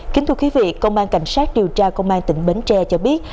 kính thưa quý vị công an cảnh sát điều tra công an tỉnh bến tre cho biết